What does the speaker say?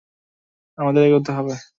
আমাদের এগাতে হবে।